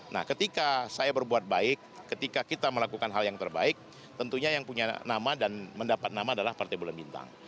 nah ketika saya berbuat baik ketika kita melakukan hal yang terbaik tentunya yang punya nama dan mendapat nama adalah partai bulan bintang